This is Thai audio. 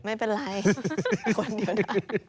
ไม่เป็นไรคนเดียวได้